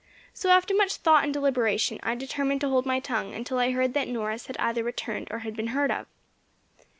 So, after much thought and deliberation, I determined to hold my tongue until I heard that Norris had either returned or had been heard of.